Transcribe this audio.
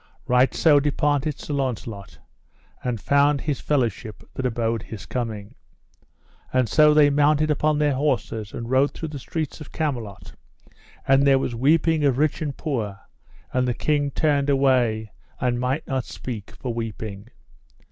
Right so departed Sir Launcelot, and found his fellowship that abode his coming. And so they mounted upon their horses and rode through the streets of Camelot; and there was weeping of rich and poor, and the king turned away and might not speak for weeping.